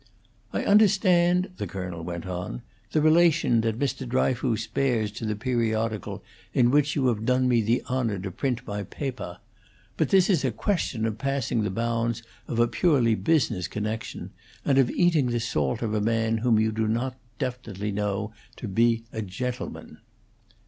"I understand," the colonel went on, "the relation that Mr. Dryfoos bears to the periodical in which you have done me the honor to print my papah, but this is a question of passing the bounds of a purely business connection, and of eating the salt of a man whom you do not definitely know to be a gentleman."